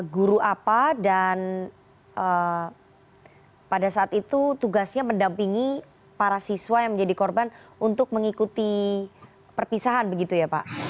guru apa dan pada saat itu tugasnya mendampingi para siswa yang menjadi korban untuk mengikuti perpisahan begitu ya pak